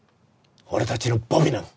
俺たちのボビナム！